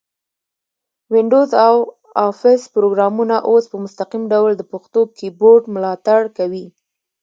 وینډوز او افس پروګرامونه اوس په مستقیم ډول د پښتو کیبورډ ملاتړ کوي.